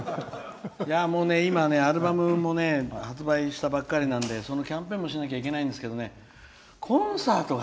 今ね、アルバムもね発売したばっかりなんでそのキャンペーンもしなきゃなんないんですけどね。